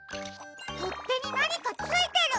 とってになにかついてる。